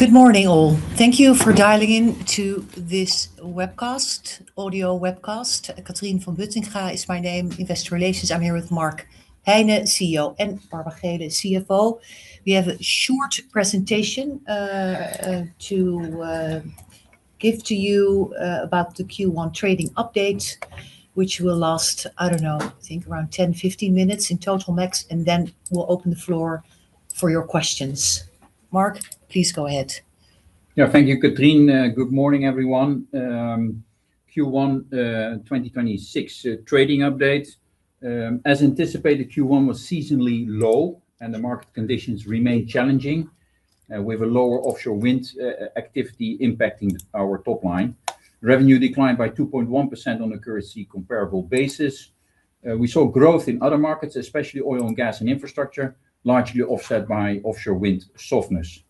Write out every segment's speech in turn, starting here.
Good morning, all. Thank you for dialing in to this webcast, audio webcast. Catrien van Buttingha Wichers is my name, Investor Relations. I'm here with Mark Heine, CEO, and Barbara Geelen, CFO. We have a short presentation to give to you about the Q1 trading update, which will last, I don't know, I think around 10, 15 minutes in total max, and then we'll open the floor for your questions. Mark, please go ahead. Yeah. Thank you, Catrien. Good morning, everyone. Q1 2026 trading update. As anticipated, Q1 was seasonally low, and the market conditions remain challenging, with a lower offshore wind activity impacting our top line. Revenue declined by 2.1% on a currency comparable basis. We saw growth in other markets, especially oil and gas and infrastructure, largely offset by offshore wind softness.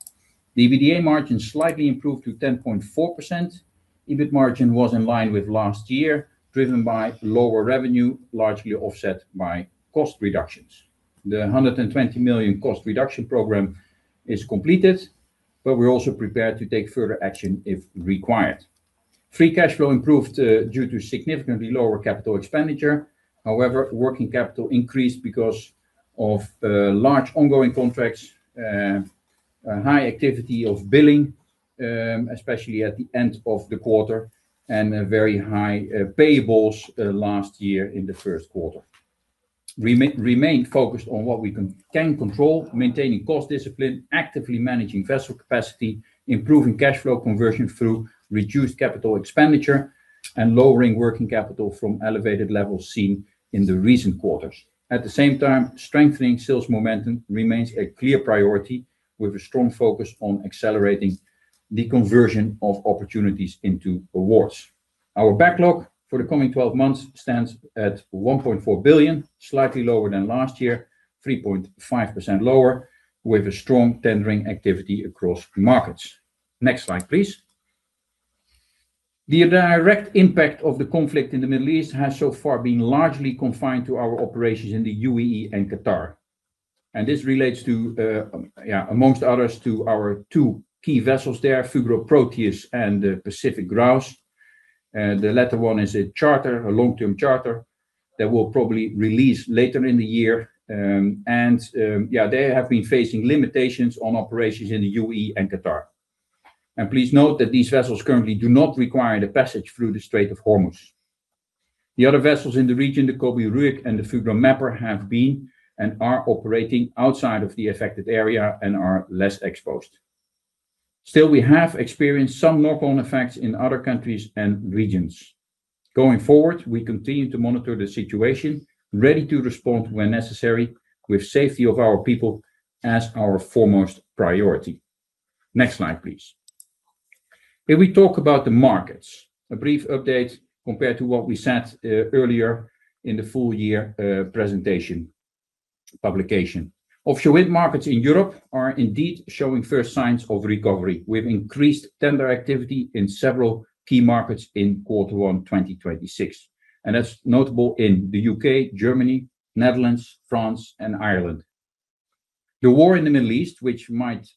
The EBITDA margin slightly improved to 10.4%. EBIT margin was in line with last year, driven by lower revenue, largely offset by cost reductions. The 120 million cost reduction program is completed, but we're also prepared to take further action if required. Free cash flow improved due to significantly lower capital expenditure. However, working capital increased because of large ongoing contracts, high activity of billing, especially at the end of the quarter, and very high payables last year in the first quarter. We remain focused on what we can control, maintaining cost discipline, actively managing vessel capacity, improving cash flow conversion through reduced capital expenditure, and lowering working capital from elevated levels seen in the recent quarters. At the same time, strengthening sales momentum remains a clear priority, with a strong focus on accelerating the conversion of opportunities into awards. Our backlog for the coming 12 months stands at 1.4 billion, slightly lower than last year, 3.5% lower, with a strong tendering activity across markets. Next slide, please. The direct impact of the conflict in the Middle East has so far been largely confined to our operations in the UAE and Qatar. This relates, among others, to our two key vessels there, Fugro Proteus and Pacific Grouse. The latter one is a charter, a long-term charter, that will probably release later in the year. Yeah, they have been facing limitations on operations in the UAE and Qatar. Please note that these vessels currently do not require the passage through the Strait of Hormuz. The other vessels in the region, the Kobi Ruegg and the Fugro Mapper, have been and are operating outside of the affected area and are less exposed. Still, we have experienced some knock-on effects in other countries and regions. Going forward, we continue to monitor the situation, ready to respond when necessary, with safety of our people as our foremost priority. Next slide, please. If we talk about the markets, a brief update compared to what we said earlier in the full year presentation publication. Offshore wind markets in Europe are indeed showing first signs of recovery. We've increased tender activity in several key markets in quarter one 2026, and that's notable in the U.K., Germany, Netherlands, France, and Ireland. The war in the Middle East, which might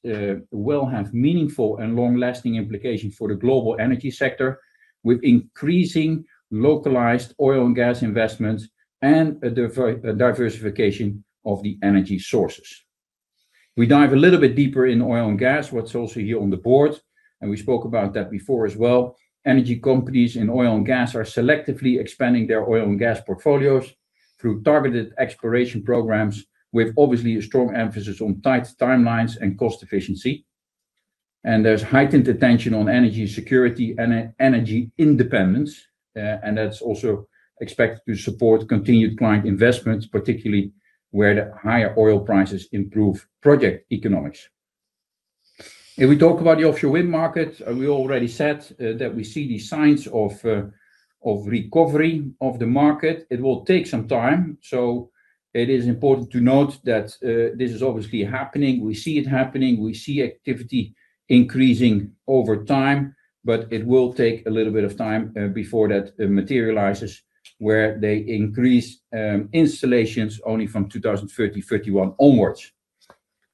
well have meaningful and long-lasting implications for the global energy sector with increasing localized oil and gas investments and a diversification of the energy sources. We dive a little bit deeper in oil and gas, what's also here on the board, and we spoke about that before as well. Energy companies in oil and gas are selectively expanding their oil and gas portfolios through targeted exploration programs, with obviously a strong emphasis on tight timelines and cost efficiency. There's heightened attention on energy security and energy independence, and that's also expected to support continued client investments, particularly where the higher oil prices improve project economics. If we talk about the offshore wind market, we already said that we see the signs of recovery of the market. It will take some time. It is important to note that this is obviously happening. We see it happening. We see activity increasing over time, but it will take a little bit of time before that materializes, where they increase installations only from 2030/31 onwards.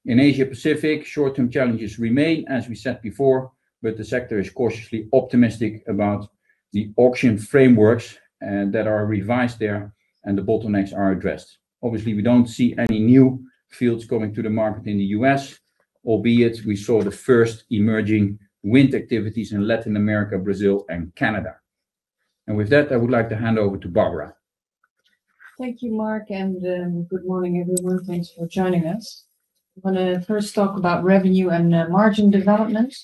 In Asia Pacific, short-term challenges remain, as we said before, but the sector is cautiously optimistic about the auction frameworks that are revised there and the bottlenecks are addressed. Obviously, we don't see any new fields coming to the market in the U.S., albeit we saw the first emerging wind activities in Latin America, Brazil, and Canada. With that, I would like to hand over to Barbara. Thank you, Mark, and good morning, everyone. Thanks for joining us. I want to first talk about revenue and margin development.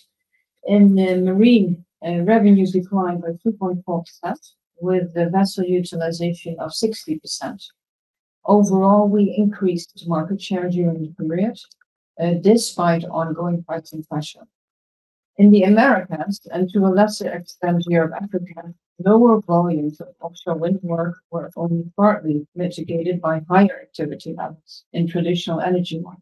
In Marine, revenues declined by 2.4%, with the vessel utilization of 60%. Overall, we increased market share during the period, despite ongoing pricing pressure. In the Americas, and to a lesser extent Europe, Africa, lower volumes of offshore wind work were only partly mitigated by higher activity levels in traditional energy markets.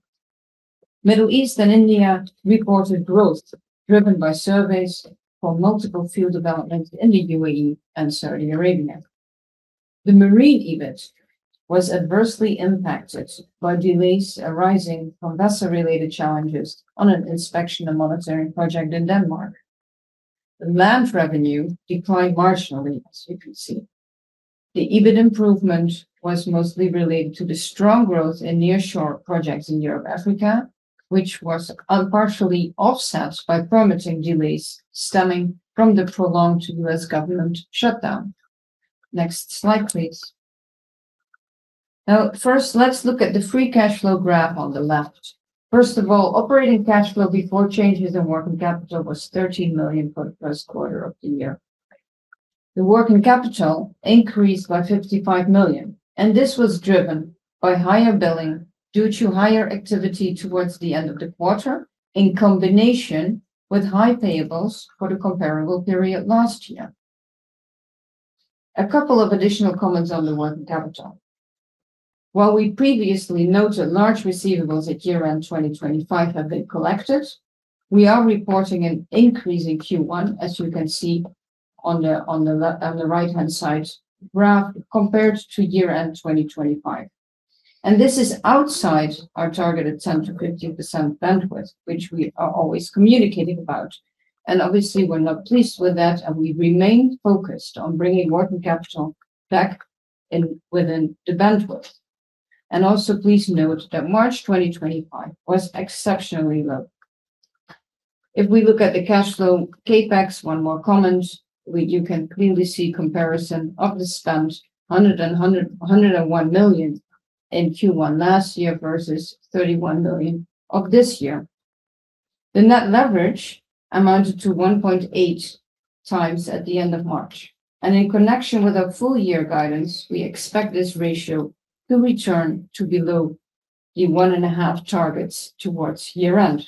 Middle East and India reported growth driven by surveys for multiple field developments in the UAE and Saudi Arabia. The marine EBIT was adversely impacted by delays arising from vessel-related challenges on an inspection and monitoring project in Denmark. The land revenue declined marginally, as you can see. The EBIT improvement was mostly related to the strong growth in nearshore projects in Europe, Africa, which was partially offset by permitting delays stemming from the prolonged U.S. government shutdown. Next slide, please. Now, first, let's look at the free cash flow graph on the left. First of all, operating cash flow before changes in working capital was 13 million for the first quarter of the year. The working capital increased by 55 million, and this was driven by higher billing due to higher activity towards the end of the quarter, in combination with high payables for the comparable period last year. A couple of additional comments on the working capital. While we previously noted large receivables at year-end 2025 have been collected, we are reporting an increase in Q1, as you can see on the right-hand side graph, compared to year-end 2025. This is outside our targeted 10%-15% bandwidth, which we are always communicating about. Obviously, we're not pleased with that, and we remain focused on bringing working capital back within the bandwidth. Also please note that March 2025 was exceptionally low. If we look at the cash flow CapEx, one more comment. You can clearly see comparison of the spend, 101 million in Q1 last year versus 31 million of this year. The net leverage amounted to 1.8x at the end of March. In connection with our full year guidance, we expect this ratio to return to below the 1.5 targets towards year-end.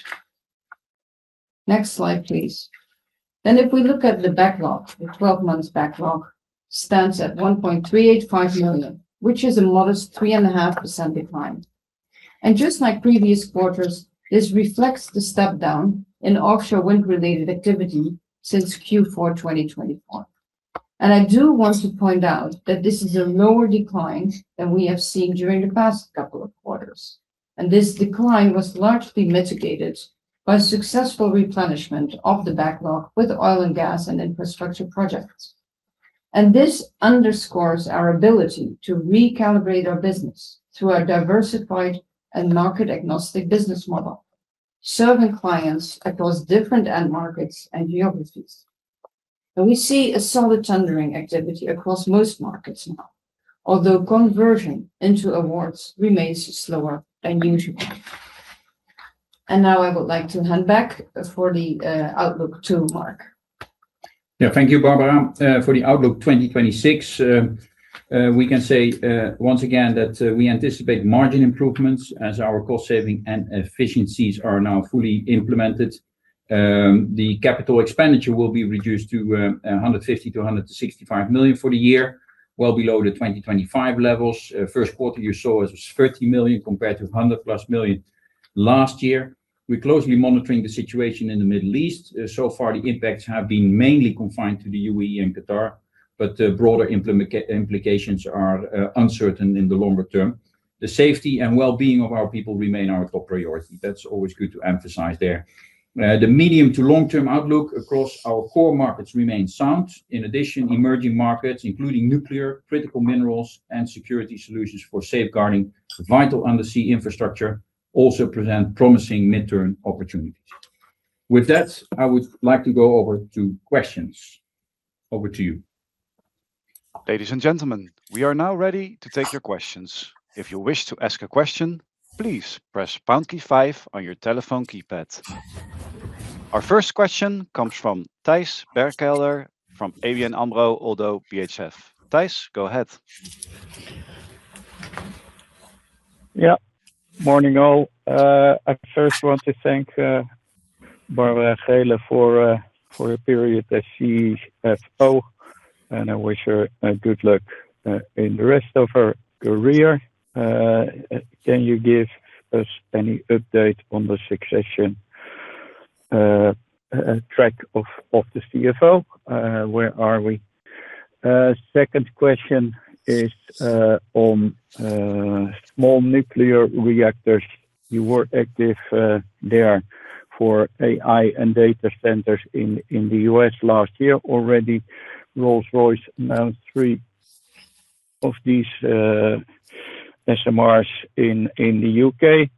Next slide, please. If we look at the backlog, the 12 months backlog stands at 1.385 million, which is a modest 3.5% decline. Just like previous quarters, this reflects the step down in offshore wind-related activity since Q4 2024. I do want to point out that this is a lower decline than we have seen during the past couple of quarters. This decline was largely mitigated by successful replenishment of the backlog with oil and gas and infrastructure projects. This underscores our ability to recalibrate our business through our diversified and market-agnostic business model, serving clients across different end markets and geographies. We see a solid tendering activity across most markets now, although conversion into awards remains slower than usual. Now I would like to hand back for the outlook to Mark. Yeah. Thank you, Barbara. For the Outlook 2026, we can say, once again, that we anticipate margin improvements as our cost saving and efficiencies are now fully implemented. The capital expenditure will be reduced to 150 million-165 million for the year, well below the 2025 levels. First quarter you saw it was 30 million compared to 100+ million last year. We're closely monitoring the situation in the Middle East. So far the impacts have been mainly confined to the UAE and Qatar, but the broader implications are uncertain in the longer term. The safety and wellbeing of our people remain our top priority. That's always good to emphasize there. The medium to long-term outlook across our core markets remains sound. In addition, emerging markets, including nuclear, critical minerals and security solutions for safeguarding vital undersea infrastructure, also present promising midterm opportunities. With that, I would like to go over to questions. Over to you. Ladies and gentlemen, we are now ready to take your questions. If you wish to ask a question, please press pound key five on your telephone keypad. Our first question comes from Thijs Berkelder from ABN AMRO-ODDO BHF. Thijs, go ahead. Morning, all. I first want to thank Barbara Geelen for the period that she has, and I wish her good luck in the rest of her career. Can you give us any update on the succession track of the CFO? Where are we? Second question is on small nuclear reactors. You were active there for AI and data centers in the U.S. last year already. Rolls-Royce announced three of these SMRs in the U.K.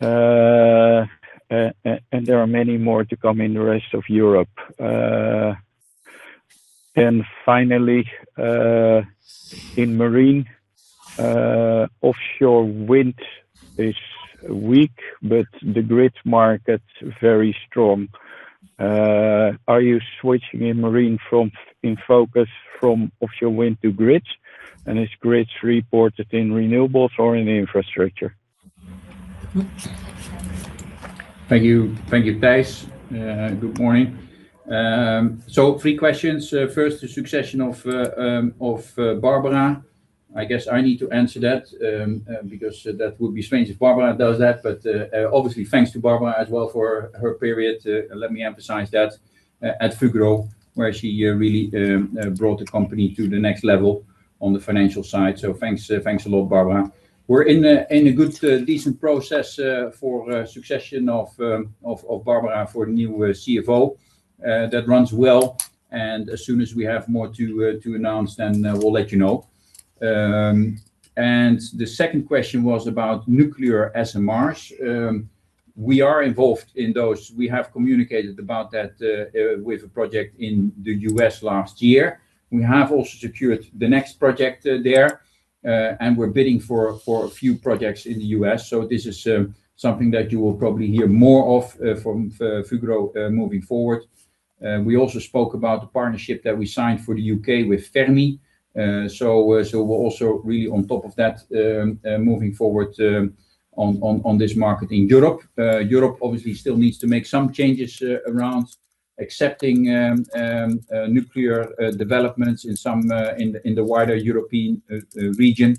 There are many more to come in the rest of Europe. Finally, in marine, offshore wind is weak, but the grid market's very strong. Are you switching focus in marine from offshore wind to grids? Is grids reported in renewables or in infrastructure? Thank you, Thijs. Good morning. Three questions. First, the succession of Barbara. I guess I need to answer that, because that would be strange if Barbara does that, but obviously thanks to Barbara as well for her period, let me emphasize that, at Fugro, where she really brought the company to the next level on the financial side. Thanks a lot, Barbara. We're in a good, decent process for succession of Barbara for new CFO. That runs well, and as soon as we have more to announce, then we'll let you know. The second question was about nuclear SMRs. We are involved in those. We have communicated about that with a project in the U.S. last year. We have also secured the next project there, and we're bidding for a few projects in the U.S. This is something that you will probably hear more of from Fugro moving forward. We also spoke about the partnership that we signed for the U.K. with Fermi. We're also really on top of that, moving forward on this market in Europe. Europe obviously still needs to make some changes around accepting nuclear developments in the wider European region.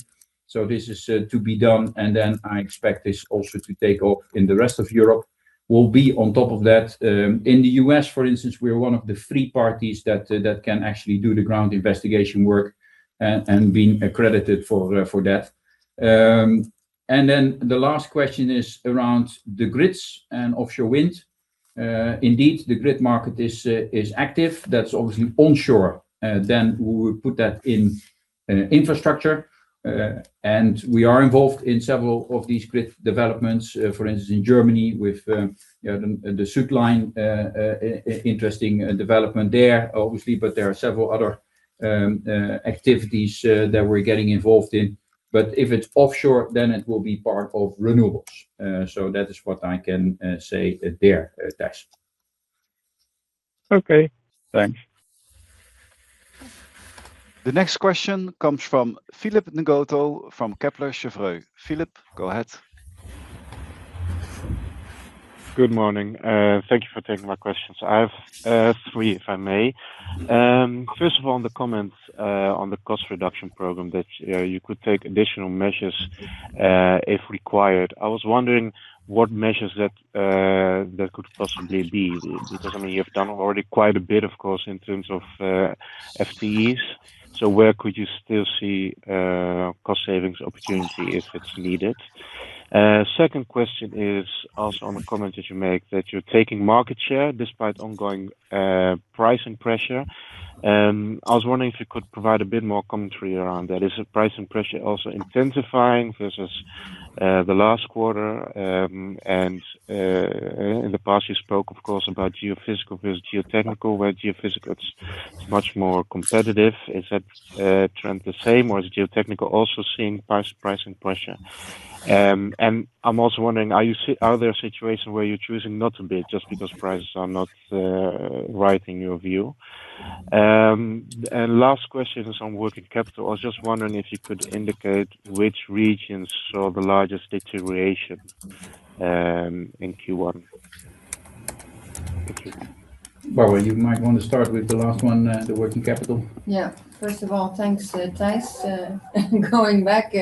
This is to be done, and then I expect this also to take off in the rest of Europe. We'll be on top of that. In the U.S., for instance, we are one of the three parties that can actually do the ground investigation work, and being accredited for that. The last question is around the grids and offshore wind. Indeed, the grid market is active. That's obviously onshore. We will put that in infrastructure. We are involved in several of these grid developments, for instance, in Germany with the SuedLink, interesting development there, obviously, but there are several other activities that we're getting involved in. If it's offshore, then it will be part of renewables. That is what I can say there, Thijs. Okay, thanks. The next question comes from Philip Ngotho from Kepler Cheuvreux. Philip, go ahead. Good morning. Thank you for taking my questions. I have three, if I may. First of all, on the comments on the cost reduction program that you could take additional measures, if required. I was wondering what measures that could possibly be, because, I mean, you have done already quite a bit, of course, in terms of FTEs. So where could you still see cost savings opportunity if it's needed? Second question is also on the comment that you make that you're taking market share despite ongoing pricing pressure. I was wondering if you could provide a bit more commentary around that. Is the pricing pressure also intensifying versus the last quarter? And in the past, you spoke, of course, about geophysical versus geotechnical, where geophysical, it's much more competitive. Is that trend the same, or is geotechnical also seeing pricing pressure? I'm also wondering, are there situations where you're choosing not to bid just because prices are not right in your view? Last question is on working capital. I was just wondering if you could indicate which regions saw the largest deterioration in Q1. Thank you. Barbara, you might want to start with the last one, the working capital. Yeah. First of all, thanks, Thijs. Going back,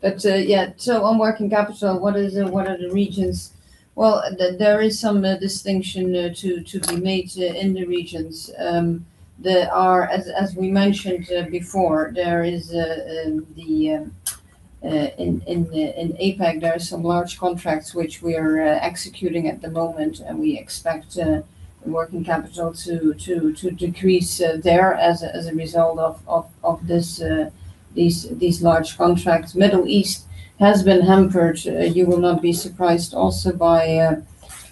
but yeah, so on working capital, what are the regions? Well, there is some distinction to be made in the regions. As we mentioned before, in APAC, there are some large contracts which we are executing at the moment, and we expect working capital to decrease there as a result of these large contracts. Middle East has been hampered, you will not be surprised, also by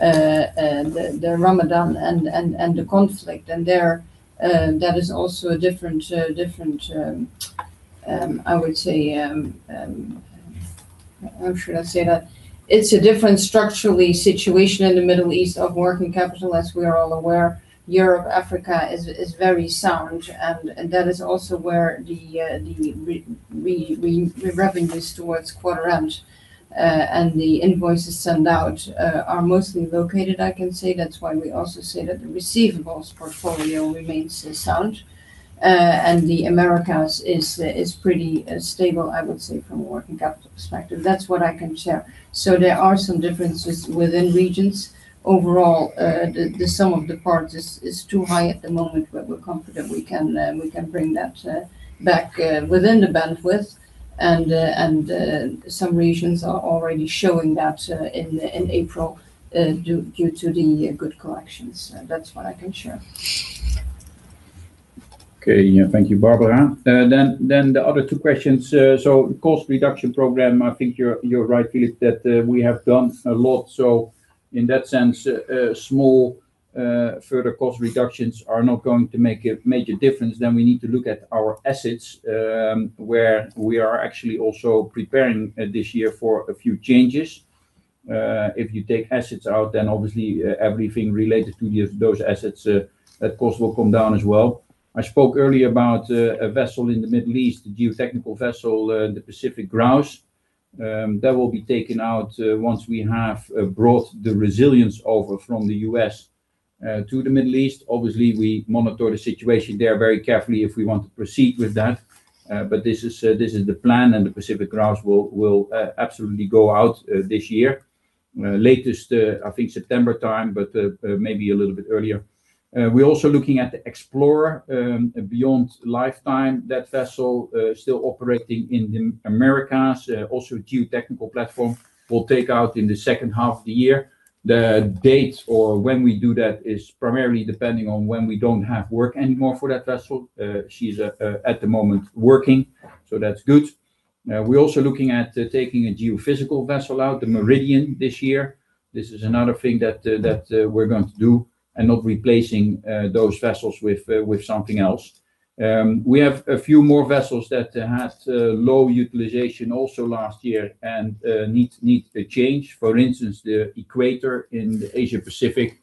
Ramadan and the conflict in there. That is also a different, I would say. How should I say that? It's a different structural situation in the Middle East of working capital, as we are all aware. Europe, Africa is very sound, and that is also where we're wrapping this towards quarter end, and the invoices sent out are mostly collected, I can say. That's why we also say that the receivables portfolio remains sound. The Americas is pretty stable, I would say, from a working capital perspective. That's what I can share. There are some differences within regions. Overall, the sum of the parts is too high at the moment, but we're confident we can bring that back within the bandwidth, and some regions are already showing that in April due to the good collections. That's what I can share. Okay. Thank you, Barbara. The other two questions. Cost reduction program, I think you're right, Philip, that we have done a lot. In that sense, small further cost reductions are not going to make a major difference. We need to look at our assets, where we are actually also preparing this year for a few changes. If you take assets out, then obviously everything related to those assets, that cost will come down as well. I spoke earlier about a vessel in the Middle East, the geotechnical vessel, the Pacific Grouse. That will be taken out once we have brought the Resilience over from the U.S. to the Middle East. Obviously, we monitor the situation there very carefully if we want to proceed with that. This is the plan, and the Pacific Grouse will absolutely go out this year. Latest, I think September time, but maybe a little bit earlier. We're also looking at the Explorer end of lifetime. That vessel, still operating in the Americas, also geotechnical platform, will take out in the second half of the year. The date for when we do that is primarily depending on when we don't have work anymore for that vessel. She's at the moment working, so that's good. We're also looking at taking a geophysical vessel out, the Meridian, this year. This is another thing that we're going to do, and not replacing those vessels with something else. We have a few more vessels that had low utilization also last year and need a change. For instance, the Equator in the Asia Pacific.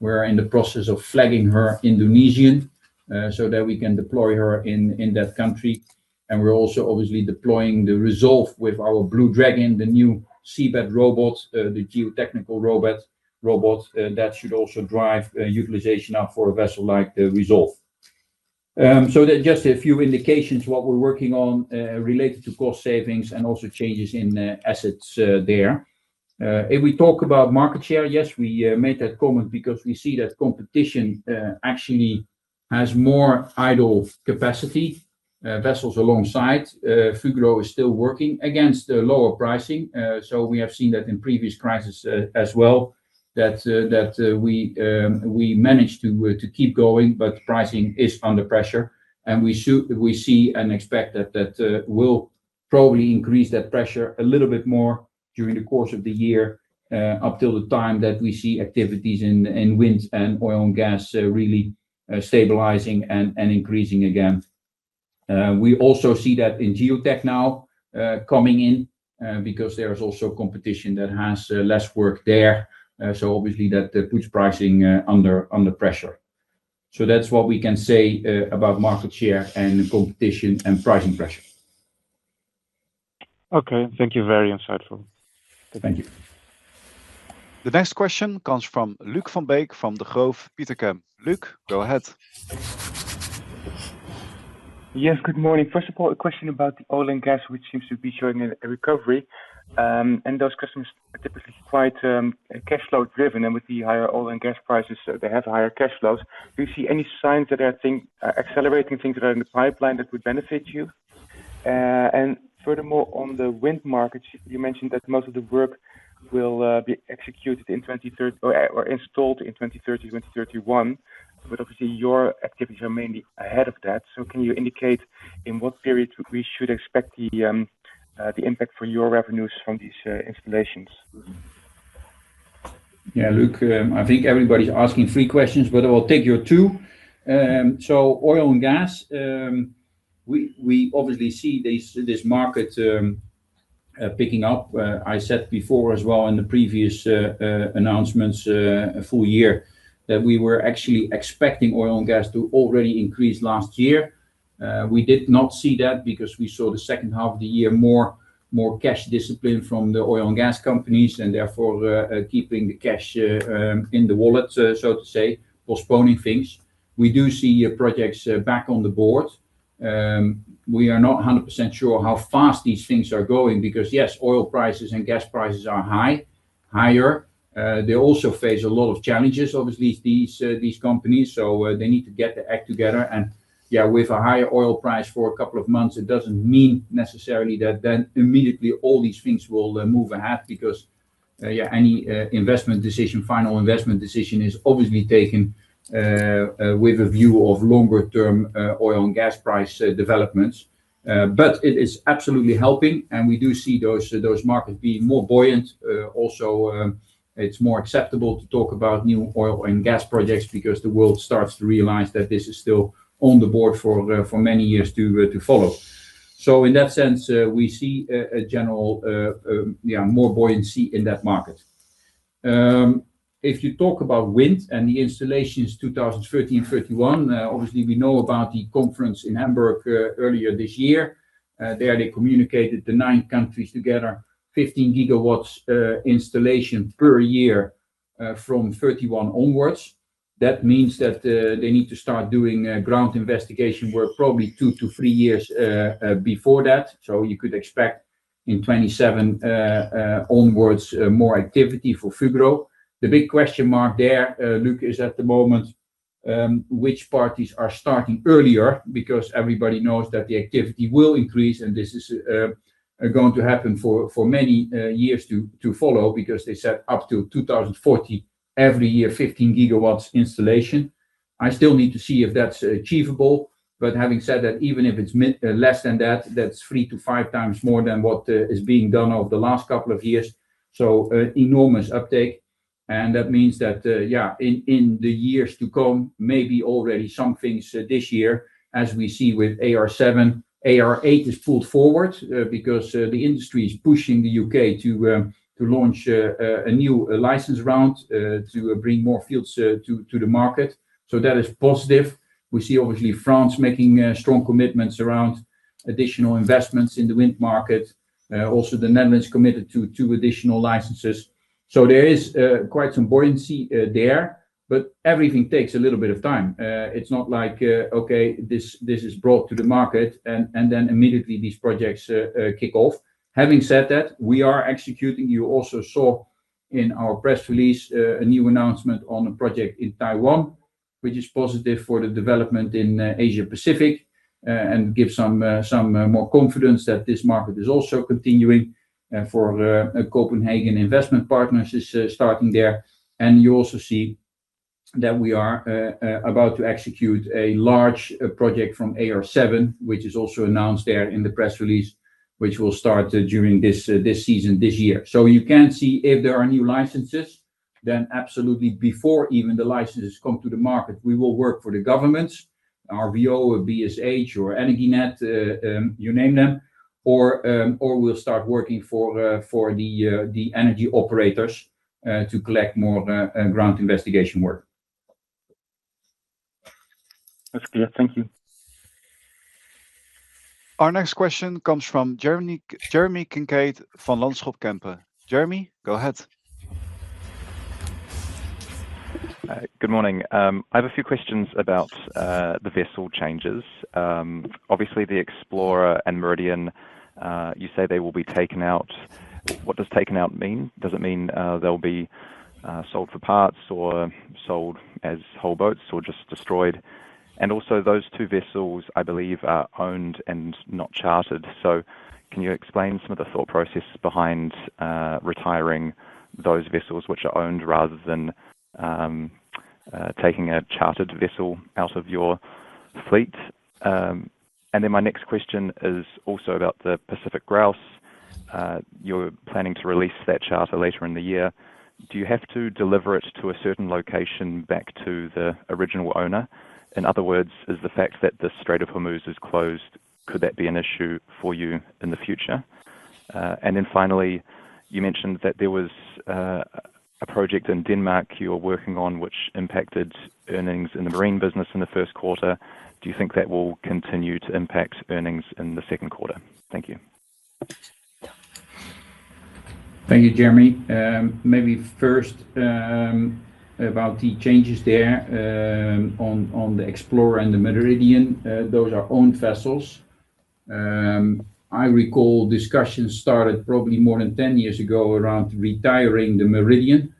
We're in the process of flagging her Indonesian, so that we can deploy her in that country. We're also obviously deploying the Resolve with our Blue Dragon, the new seabed robot, the geotechnical robot. That should also drive utilization up for a vessel like the Resolve. Just a few indications what we're working on related to cost savings and also changes in assets there. If we talk about market share, yes, we made that comment because we see that competition actually has more idle capacity, vessels alongside. Fugro is still working against lower pricing. We have seen that in previous crises as well, that we manage to keep going, but pricing is under pressure, and we see and expect that that will probably increase that pressure a little bit more during the course of the year, up till the time that we see activities in wind and oil and gas really stabilizing and increasing again. We also see that in geotech now, coming in, because there is also competition that has less work there. Obviously that puts pricing under pressure. That's what we can say about market share and competition and pricing pressure. Okay. Thank you. Very insightful. Thank you. The next question comes from Luuk van Beek from Degroof Petercam. Luuk, go ahead. Yes, good morning. First of all, a question about the oil and gas, which seems to be showing a recovery, and those customers are typically quite cash flow driven, and with the higher oil and gas prices, so they have higher cash flows. Do you see any signs that are accelerating things that are in the pipeline that would benefit you? Furthermore, on the wind markets, you mentioned that most of the work will be installed in 2030, 2031, but obviously your activities are mainly ahead of that. Can you indicate in what period we should expect the impact for your revenues from these installations? Yeah, Luuk, I think everybody's asking three questions, but I'll take your two. Oil and gas, we obviously see this market picking up. I said before as well in the previous announcements, full year, that we were actually expecting oil and gas to already increase last year. We did not see that because we saw the second half of the year, more cash discipline from the oil and gas companies, and therefore, keeping the cash in the wallet, so to say, postponing things. We do see projects back on the board. We are not 100% sure how fast these things are going because, yes, oil prices and gas prices are higher. They also face a lot of challenges, obviously, these companies, so they need to get their act together, and yeah, with a higher oil price for a couple of months, it doesn't mean necessarily that then immediately all these things will move ahead because any final investment decision is obviously taken with a view of longer term oil and gas price developments. It is absolutely helping, and we do see those markets being more buoyant. Also, it's more acceptable to talk about new oil and gas projects because the world starts to realize that this is still on the board for many years to follow. In that sense, we see generally more buoyancy in that market. If you talk about wind and the installations 2030 and 2031, obviously, we know about the conference in Hamburg earlier this year. There, they communicated the nine countries together, 15 gigawatts installation per year from 2031 onwards. That means that they need to start doing ground investigation work probably two to three years before that. You could expect in 2027 onwards, more activity for Fugro. The big question mark there, Luuk, is at the moment, which parties are starting earlier, because everybody knows that the activity will increase, and this is going to happen for many years to follow because they set up to 2040 every year, 15 GW installation. I still need to see if that's achievable. Having said that, even if it's less than that's three to five times more than what is being done over the last couple of years, so enormous uptake. That means that, yeah, in the years to come, maybe already some things this year, as we see with AR7, AR8 is pulled forward, because the industry is pushing the U.K. to launch a new license round to bring more fields to the market. That is positive. We see, obviously, France making strong commitments around additional investments in the wind market. Also, the Netherlands committed to two additional licenses. There is quite some buoyancy there, but everything takes a little bit of time. It is not like, okay, this is brought to the market and then immediately these projects kick off. Having said that, we are executing. You also saw in our press release a new announcement on a project in Taiwan, which is positive for the development in Asia-Pacific and gives some more confidence that this market is also continuing, for Copenhagen Infrastructure Partners is starting there. You also see that we are about to execute a large project from AR7, which is also announced there in the press release, which will start during this season, this year. You can see if there are new licenses, then absolutely, before even the licenses come to the market, we will work for the governments, RVO or BSH or Energinet, you name them, or we'll start working for the energy operators, to collect more ground investigation work. That's clear. Thank you. Our next question comes from Jeremy Kincaid, Van Lanschot Kempen. Jeremy, go ahead. Good morning. I have a few questions about the vessel changes. Obviously, the Explorer and Meridian, you say they will be taken out. What does taken out mean? Does it mean they'll be sold for parts or sold as whole boats or just destroyed? Those two vessels, I believe, are owned and not chartered, so can you explain some of the thought process behind retiring those vessels which are owned rather than taking a chartered vessel out of your fleet? My next question is also about the Pacific Grouse. You're planning to release that charter later in the year. Do you have to deliver it to a certain location back to the original owner? In other words, is the fact that the Strait of Hormuz is closed, could that be an issue for you in the future? Finally, you mentioned that there was a project in Denmark you are working on which impacted earnings in the marine business in the first quarter. Do you think that will continue to impact earnings in the second quarter? Thank you. Thank you, Jeremy. Maybe first, about the changes there, on the Explorer and the Meridian. Those are owned vessels. I recall discussions started probably more than 10 years ago around retiring the Meridian.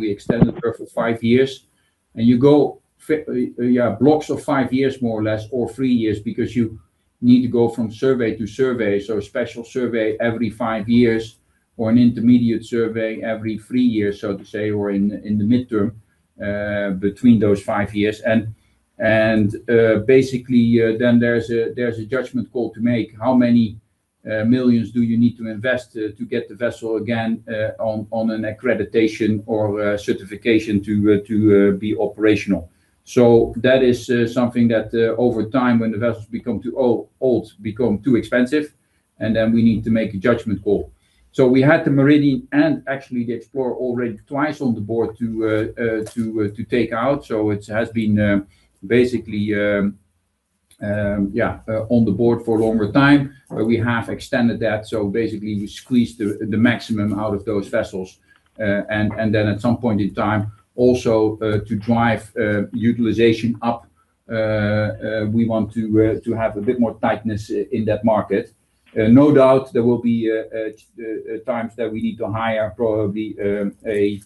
We extended her for five years. You go, yeah, blocks of five years, more or less, or three years, because you need to go from survey to survey. A special survey every five years, or an intermediate survey every three years, so to say, or in the midterm, between those five years. Basically, then there's a judgment call to make. How many millions do you need to invest to get the vessel again, on an accreditation or certification to be operational? That is something that over time, when the vessels become too old, become too expensive, and then we need to make a judgment call. We had the Meridian and actually the Explorer already twice on the board to take out. It has been, basically, yeah, on the board for a longer time. We have extended that, so basically you squeeze the maximum out of those vessels. Then at some point in time, also, to drive utilization up, we want to have a bit more tightness in that market. No doubt there will be times that we need to hire probably a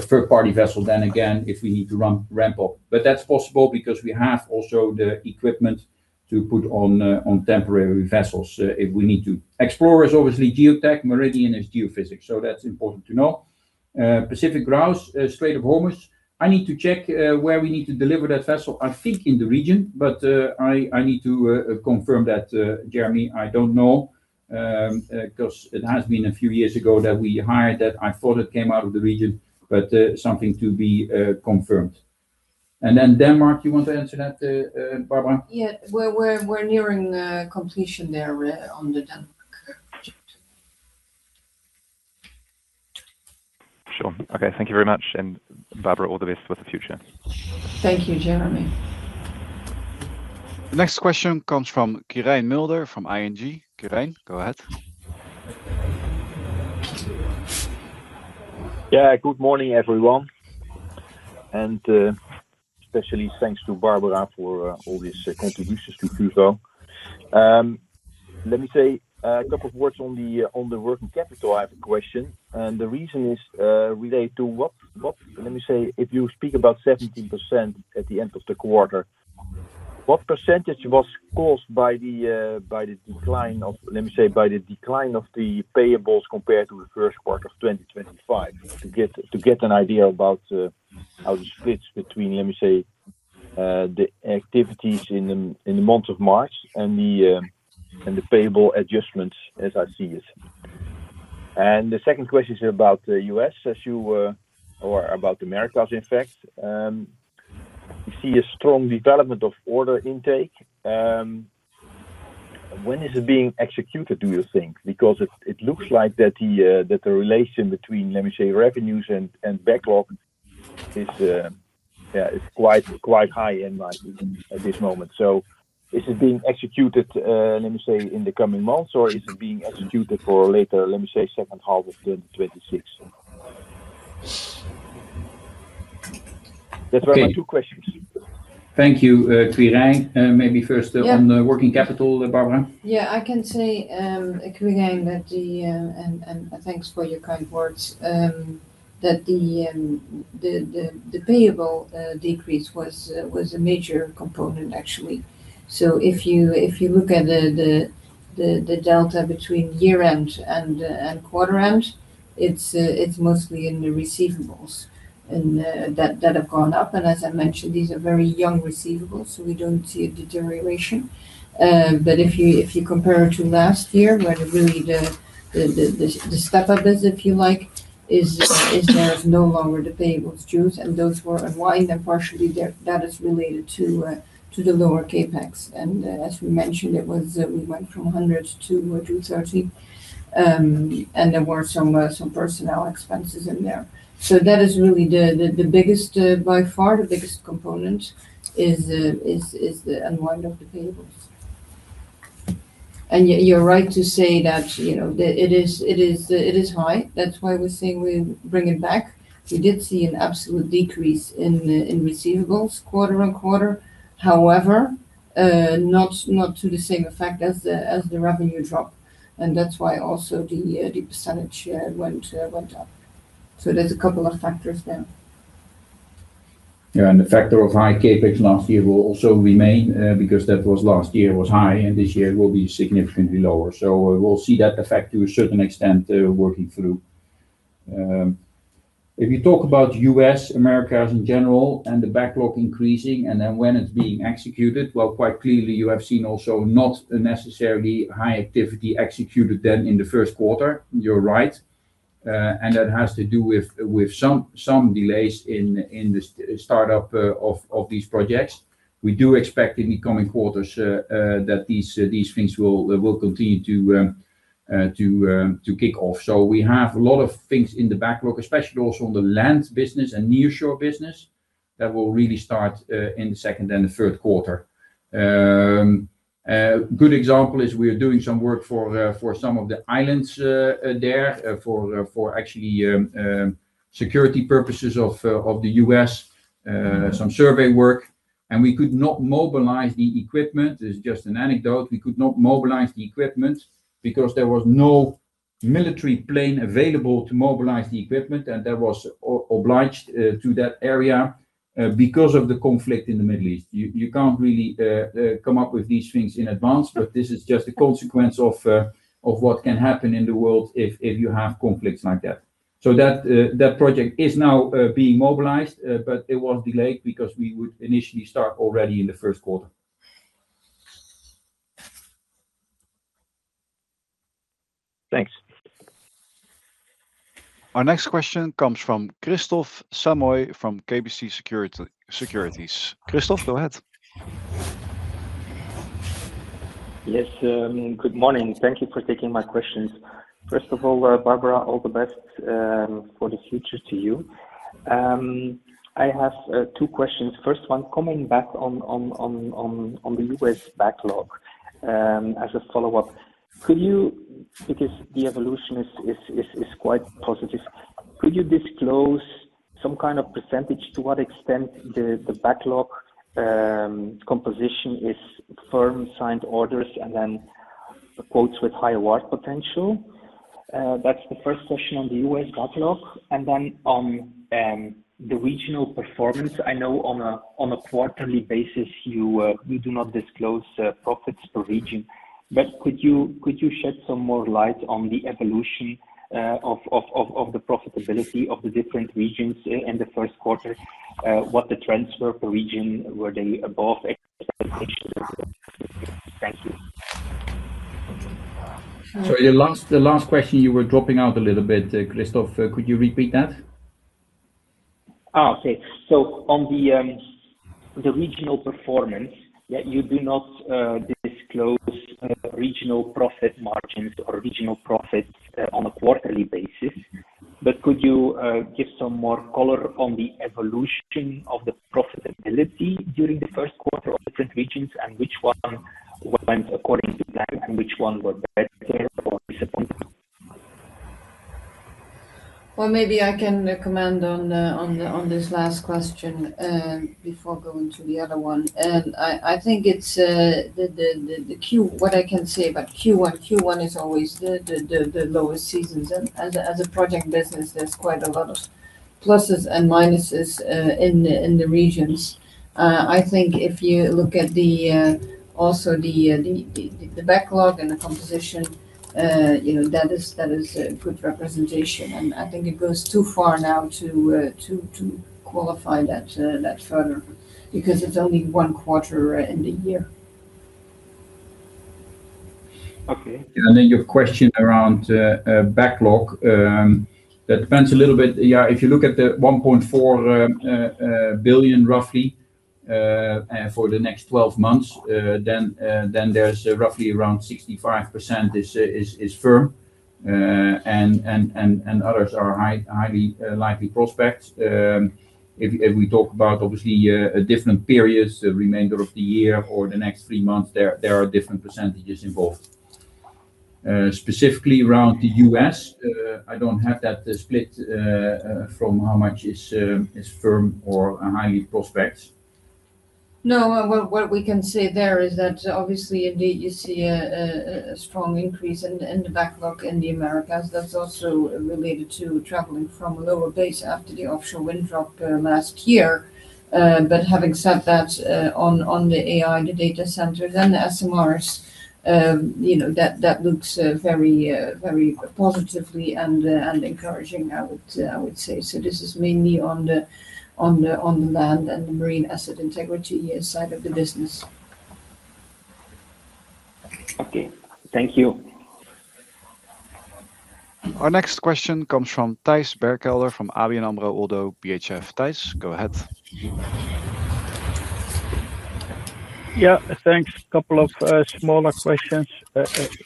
third-party vessel then again if we need to ramp up. That's possible because we have also the equipment to put on temporary vessels if we need to. Explorer is obviously geotech, Meridian is geophysics, so that's important to know. Pacific Grouse, Strait of Hormuz, I need to check where we need to deliver that vessel. I think in the region, but I need to confirm that, Jeremy. I don't know, because it has been a few years ago that we hired that. I thought it came out of the region, but something to be confirmed. Then Denmark, you want to answer that, Barbara? Yeah. We're nearing completion there on the Denmark project. Sure. Okay. Thank you very much. Barbara, all the best with the future. Thank you, Jeremy. The next question comes from Quirijn Mulder from ING. Quirijn, go ahead. Yeah. Good morning, everyone. Especially thanks to Barbara for all these contributions to Fugro. Let me say a couple of words on the working capital. I have a question, and the reason is related to what, let me say, if you speak about 17% at the end of the quarter, what percentage was caused by the decline of the payables compared to the first quarter of 2025. To get an idea about how the splits between, let me say, the activities in the month of March and the payable adjustments as I see it. The second question is about the U.S., or about America in fact. We see a strong development of order intake. When is it being executed, do you think? Because it looks like the relation between, let me say, revenues and backlog is quite high in my opinion at this moment. Is it being executed, let me say, in the coming months, or is it being executed for later, let me say, second half of 2026? Those were my two questions. Thank you, Quirijn. Maybe first on the working capital, Barbara. Yeah, I can say, Quirijn, and thanks for your kind words, that the payables decrease was a major component, actually. If you look at the delta between year-end and quarter end, it's mostly in the receivables that have gone up. As I mentioned, these are very young receivables, so we don't see a deterioration. If you compare to last year, where really the step-up is, if you like, that there is no longer the payables due, and those were unwound and partially that is related to the lower CapEx. As we mentioned, we went from 100-230. There were some personnel expenses in there. That is really by far the biggest component is the unwind of the payables. You're right to say that it is high. That's why we're saying we bring it back. We did see an absolute decrease in receivables quarter-over-quarter. However, not to the same effect as the revenue drop. That's why also the percentage went up. There's a couple of factors there. Yeah, the factor of high CapEx last year will also remain, because that was high last year, and this year will be significantly lower. We'll see that effect to a certain extent working through. If you talk about U.S., the Americas in general, and the backlog increasing, and then when it's being executed, well, quite clearly, you have seen also not necessarily high activity executed then in the first quarter. You're right. That has to do with some delays in the startup of these projects. We do expect in the coming quarters that these things will continue to kick off. We have a lot of things in the backlog, especially also on the land business and nearshore business, that will really start in the second and the third quarter. A good example is we are doing some work for some of the islands there for actually security purposes of the U.S., some survey work, and we could not mobilize the equipment. It's just an anecdote. We could not mobilize the equipment because there was no military plane available to mobilize the equipment, and that was obliged to that area because of the conflict in the Middle East. You can't really come up with these things in advance, but this is just a consequence of what can happen in the world if you have conflicts like that. That project is now being mobilized, but it was delayed because we would initially start already in the first quarter. Thanks. Our next question comes from Kristof Samoy from KBC Securities. Kristof, go ahead. Yes, good morning. Thank you for taking my questions. First of all, Barbara, all the best for the future to you. I have two questions. First one, coming back on the U.S. backlog, as a follow-up, because the evolution is quite positive, could you disclose some kind of percentage to what extent the backlog composition is firm signed orders and then quotes with high award potential? That's the first question on the U.S. backlog. Then on the regional performance, I know on a quarterly basis, you do not disclose profits per region, but could you shed some more light on the evolution of the profitability of the different regions in the first quarter, what the trends were per region, were they above expectations? Thank you. Sorry, the last question, you were dropping out a little bit, Kristof. Could you repeat that? Okay. On the regional performance, you do not disclose regional profit margins or regional profits on a quarterly basis, but could you give some more color on the evolution of the profitability during the first quarter of different regions and which one went according to plan and which one were better or disappointed? Well, maybe I can comment on this last question before going to the other one. What I can say about Q1 is always the lowest seasons. As a project business, there's quite a lot of pluses and minuses in the regions. I think if you look at also the backlog and the composition, that is a good representation, and I think it goes too far now to qualify that further because it's only one quarter in the year. Okay. Your question around backlog. That depends a little bit. If you look at the 1.4 billion, roughly, for the next 12 months, then there's roughly around 65% is firm and others are highly likely prospects. If we talk about obviously different periods, the remainder of the year or the next three months, there are different percentages involved. Specifically around the U.S., I don't have that split from how much is firm or highly prospect. No, what we can say there is that obviously, indeed, you see a strong increase in the backlog in the Americas that's also related to starting from a lower base after the offshore wind drop last year. Having said that, on the AI, the data centers, and the SMRs, that looks very positive and encouraging, I would say. This is mainly on the land and the marine asset integrity side of the business. Okay. Thank you. Our next question comes from Thijs Berkelder from ABN AMRO. Thijs, go ahead. Yeah. Thanks. Couple of smaller questions.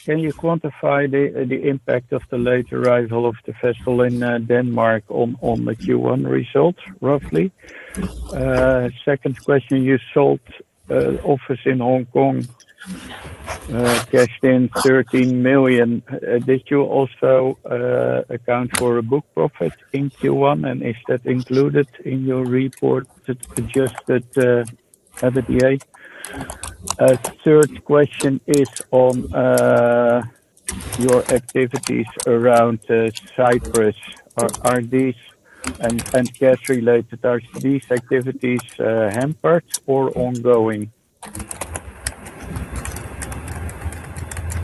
Can you quantify the impact of the late arrival of the vessel in Denmark on the Q1 results, roughly? Second question, you sold office in Hong Kong, cashed in 13 million. Did you also account for a book profit in Q1, and is that included in your report, the adjusted EBITDA? Third question is on your activities around Cyprus and gas related. Are these activities hampered or ongoing?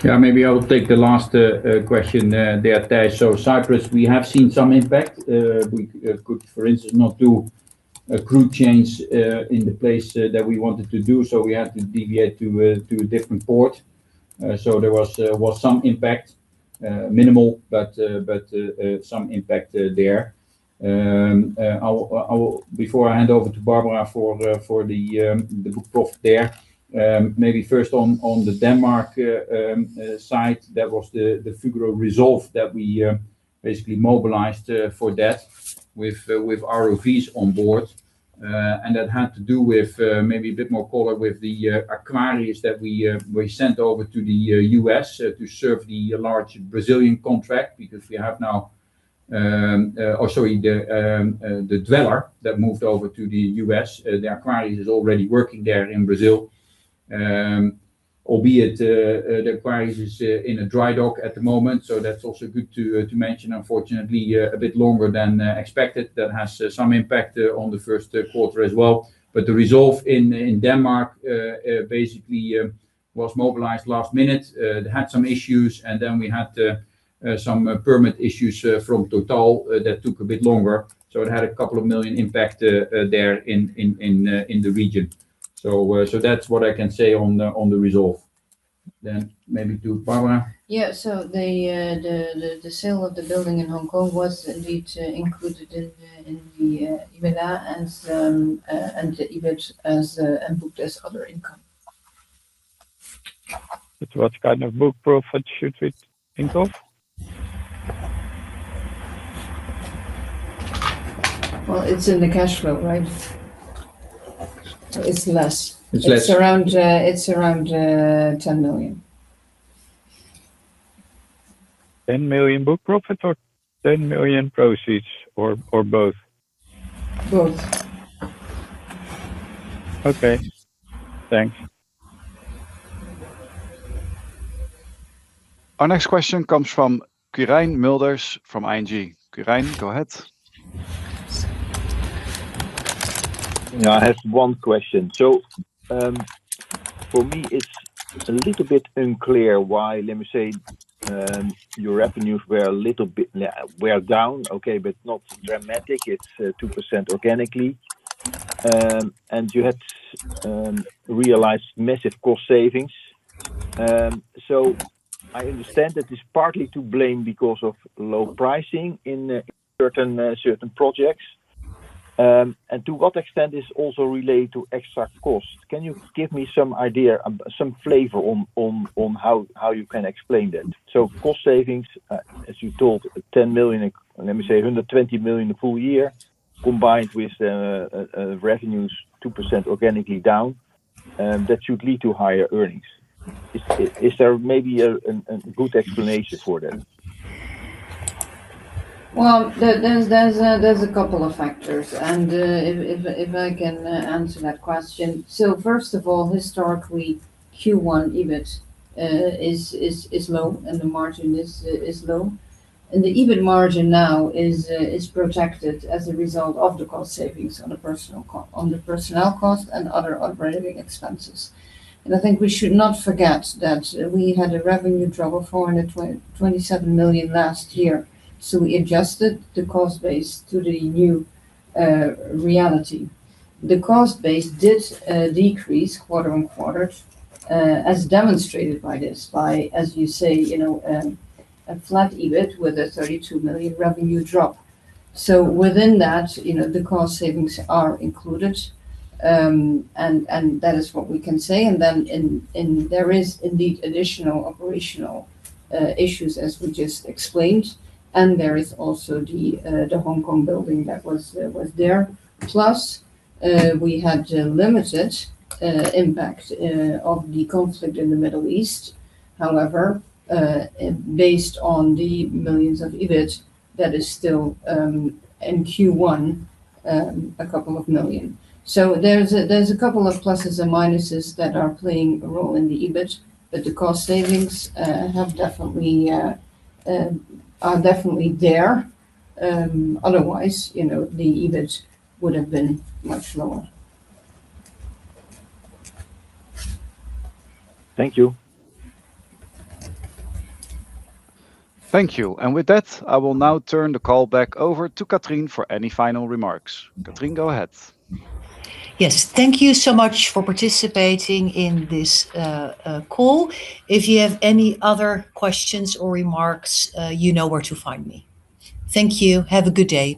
Yeah, maybe I will take the last question there, Thijs. Cyprus, we have seen some impact. We could, for instance, not do a crew change in the place that we wanted to do, so we had to deviate to a different port. There was some impact, minimal, but some impact there. Before I hand over to Barbara for the book profit there, maybe first on the Denmark site, that was the Fugro Resolve that we basically mobilized for that with ROVs on board. That had to do with, maybe a bit more color, with the Aquarius that we sent over to the U.S. to serve the large Brazilian contract, or sorry, the Dweller that moved over to the U.S. The Aquarius is already working there in Brazil, albeit the Aquarius is in a dry dock at the moment, so that's also good to mention. Unfortunately, a bit longer than expected. That has some impact on the first quarter as well. The Resolve in Denmark basically was mobilized last minute. It had some issues, and then we had some permit issues from Total that took a bit longer, so it had a couple of million impact there in the region. That's what I can say on the Resolve. Maybe to Barbara. Yeah. The sale of the building in Hong Kong was indeed included in the EBITDA and the EBIT and booked as other income. What kind of book profit should we think of? Well, it's in the cash flow, right? It's less. It's less. It's around 10 million. 10 million book profit or 10 million proceeds, or both? Both. Okay, thanks. Our next question comes from Quirijn Mulder from ING. Quirijn, go ahead. Yeah. I have one question. For me, it's a little bit unclear why, let me say, your revenues were down, okay, but not dramatic. It's 2% organically. You had realized massive cost savings. I understand that it's partly to blame because of low pricing in certain projects. To what extent is also related to extra costs? Can you give me some idea, some flavor, on how you can explain that? Cost savings, as you told, 10 million, let me say, 120 million the full year, combined with revenues 2% organically down, that should lead to higher earnings. Is there maybe a good explanation for that? Well, there's a couple of factors, and if I can answer that question. First of all, historically, Q1 EBIT is low, and the margin is low. The EBIT margin now is protected as a result of the cost savings on the personnel cost and other operating expenses. I think we should not forget that we had a revenue drop of 427 million last year. We adjusted the cost base to the new reality. The cost base did decrease quarter-over-quarter, as demonstrated by this, as you say, a flat EBIT with a 32 million revenue drop. Within that, the cost savings are included. That is what we can say. Then there is indeed additional operational issues, as we just explained. There is also the Hong Kong building that was there. Plus, we had limited impact of the conflict in the Middle East. However, based on the millions of EBIT, that is still, in Q1, a couple of million. There's a couple of pluses and minuses that are playing a role in the EBIT, but the cost savings are definitely there. Otherwise, the EBIT would have been much lower. Thank you. Thank you. With that, I will now turn the call back over to Catrien for any final remarks. Catrien, go ahead. Yes. Thank you so much for participating in this call. If you have any other questions or remarks, you know where to find me. Thank you. Have a good day.